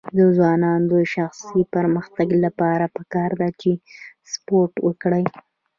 د ځوانانو د شخصي پرمختګ لپاره پکار ده چې سپورټ وکړي.